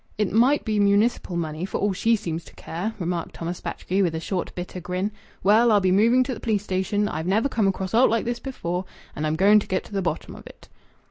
"It might be municipal money, for all she seems to care!" remarked Thomas Batchgrew, with a short, bitter grin. "Well, I'll be moving to th' police station. I've never come across aught like this before, and I'm going to get to the bottom of it."